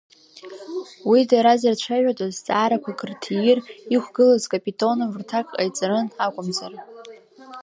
Уа дара зырцәажәодаз, зҵаарақәак рҭиир, иқәгылаз Капитонов рҭак ҟаиҵарын акәымзар.